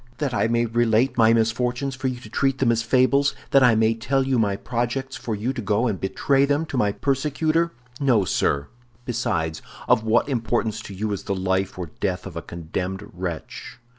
"That I may relate my misfortunes for you to treat them as fables; that I may tell you my projects for you to go and betray them to my persecutor? No, sir. Besides, of what importance to you is the life or death of a condemned wretch?